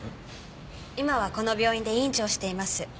今はこの病院で院長をしています。